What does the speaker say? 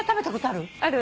ある。